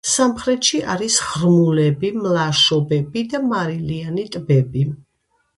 სამხრეთში არის ღრმულები, მლაშობები და მარილიანი ტბები.